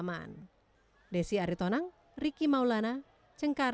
gak tertarik untuk jalur yang lain